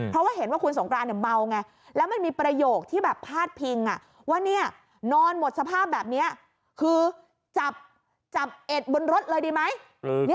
เพราะว่าเห็นว่าคุณสงกรานเนี่ยเมาไงแล้วมันมีประโยคที่แบบพาดพิงว่านอนหมดสภาพแบบนี้คือจับเอ็ดบนรถเลยดีไหม